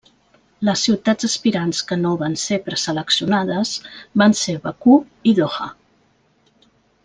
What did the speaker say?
Les ciutats aspirants que no van ser preseleccionades van ser Bakú i Doha.